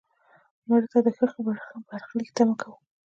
مړه ته د ښه برخلیک تمه کوو